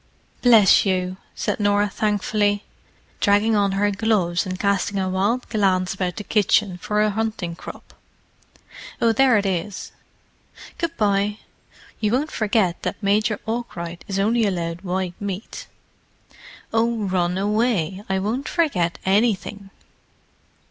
"Bless you!" said Norah thankfully, dragging on her gloves and casting a wild glance about the kitchen for her hunting crop. "Oh, there it is. Good bye. You won't forget that Major Arkwright is only allowed white meat?" "Oh, run away—I won't forget anything."